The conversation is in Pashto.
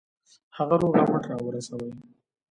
هغه روغ رمټ را ورسوي.